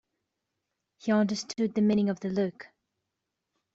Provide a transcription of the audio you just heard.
He understood the meaning of the look.